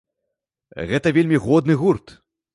Гэта вельмі годны гурт.